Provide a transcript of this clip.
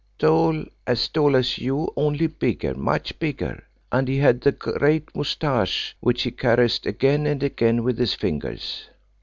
"Tall, as tall as you, only bigger much bigger. And he had the great moustache which he caressed again and again with his fingers."